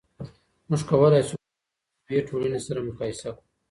موږ کولای سو دوې ټولنې سره مقایسه کړو.